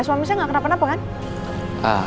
suami saya nggak kenapa napa kan